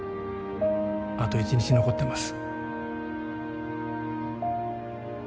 あと１日残ってます。